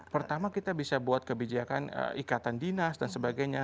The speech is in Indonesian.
pertama kita bisa buat kebijakan ikatan dinas dan sebagainya